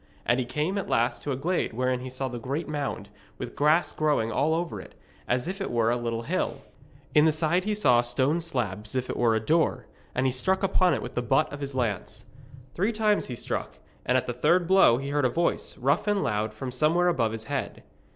And he came at last to the glade wherein he saw the great mound, with grass growing all over it, as if it were a little hill. In the side he saw a stone slab as if it were a door, and he struck upon it with the butt of his lance. Three times he struck, and at the third blow he heard a voice, rough and loud, from somewhere above his head.